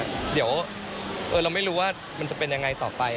เดี๋ยวเราไม่รู้ว่ามันจะเป็นยังไงต่อไป